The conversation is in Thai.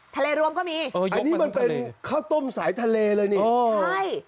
รวมก็มีอันนี้มันเป็นข้าวต้มสายทะเลเลยนี่อ๋อใช่